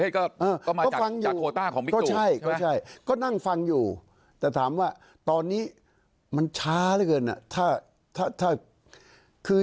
ก็ฟังอยู่ก็ใช่ก็นั่งฟังอยู่แต่ถามว่าตอนนี้มันช้าเรื่องนี้